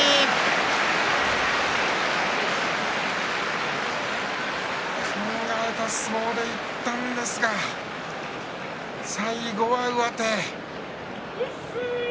琴恵光は考えた相撲でいったんですが最後は上手。